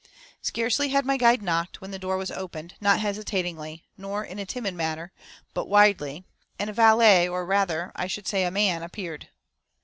Scarcely had my guide knocked, when the door was opened, not hesitatingly, nor in a timid manner, but widely, and a valet, or rather I should say a man appeared.